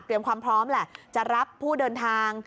ความพร้อมแหละจะรับผู้เดินทาง